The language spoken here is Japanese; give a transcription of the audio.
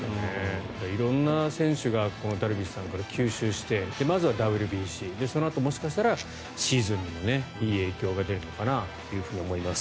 色んな選手がダルビッシュさんから吸収してまずはＷＢＣそのあともしかしたらシーズンのそちらにもいい影響が出るのかなと思います。